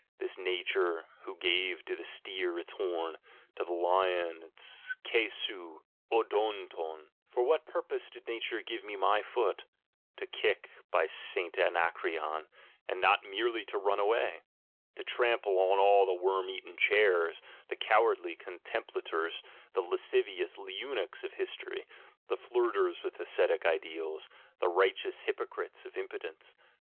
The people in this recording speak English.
This Nature, who gave to the 10m, to the lion its ydo\i' 6§6vrcov, for what purpose did Nature give me my foot? — To kick, by St. Anacreon, and not merely to run away! To trample on all the worm eaten "chairs," the cowardly contemplators, the lascivious eunuchs of history, the flirters with ascetic ideals, the righteous hypocrites of impotence!